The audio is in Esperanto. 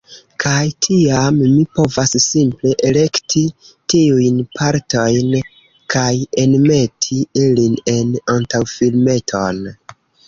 Kaj tiam, mi povas simple elekti tiujn partojn, kaj enmeti ilin en antaŭfilmeton.